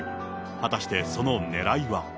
果たしてそのねらいは。